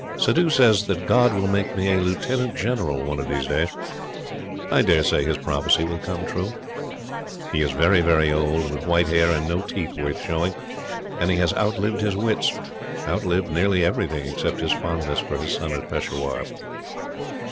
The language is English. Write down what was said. Suddhoo says that God will make me a Lieutenant Governor one of these days. I daresay his prophecy will come true. He is very, very old, with white hair and no teeth worth showing, and he has outlived his wits outlived nearly everything except his fondness for his son at Peshawar.